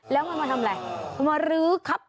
แล้วมันมาทำอะไรมันมารื้อครับ